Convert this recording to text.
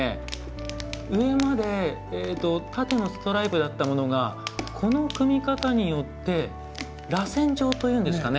上まで縦のストライプだったものがこの組み方によってらせん状というんですかね。